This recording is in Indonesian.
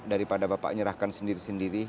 daripada bapak nyerahkan sendiri sendiri